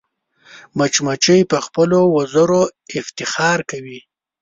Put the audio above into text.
مچمچۍ په خپلو وزرو افتخار کوي